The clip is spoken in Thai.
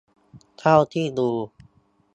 เท่าที่ดู